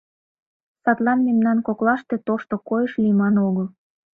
Садлан мемнан коклаште тошто койыш лийман огыл...